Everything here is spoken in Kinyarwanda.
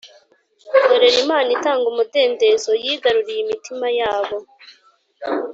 Korera Imana itanga umudendezo Yigaruriye imitima yabo